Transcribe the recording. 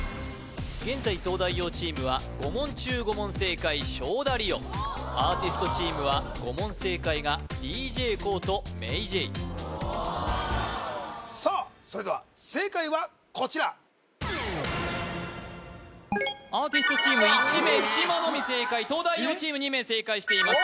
現在東大王チームは５問中５問正解勝田りおアーティストチームは５問正解がＤＪＫＯＯとＭａｙＪ．さあそれでは正解はこちらアーティストチーム１名木嶋のみ正解東大王チーム２名正解しています